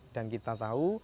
dan kita tahu